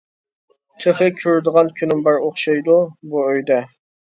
تېخى كۆرىدىغان كۈنۈم بار ئوخشايدۇ، بۇ ئۆيدە.